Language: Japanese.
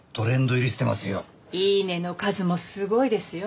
「イイネ」の数もすごいですよ。